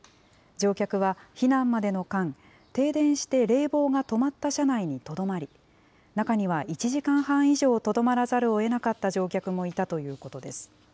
乗客は避難までの間、停電して冷房が止まった車内にとどまり、中には１時間半以上とどまらざるをえなかった乗客もいたということです。